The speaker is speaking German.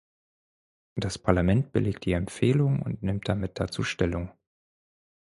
Das Parlament billigt die Empfehlung und nimmt damit dazu Stellung.